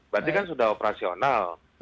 berarti kan sudah operasional